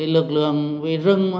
lực lượng vì rừng